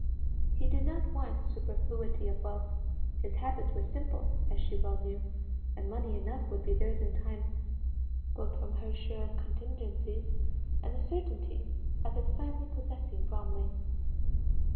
He did not want superfluity of wealth; his habits were simple, as she well knew; and money enough would be theirs in time, both from her share of contingencies, and the certainty of his finally possessing Bromley.